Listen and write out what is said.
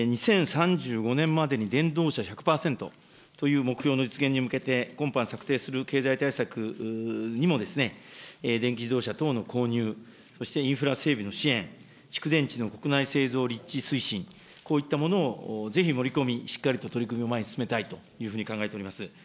２０３５年までに電動車１００％という目標の実現に向けて、今般策定する経済対策にも電気自動車等の購入、そしてインフラ整備の支援、蓄電池の国内製造立地推進、こういったものをぜひ盛り込み、しっかりと取り組みを前に進めたいと考えております。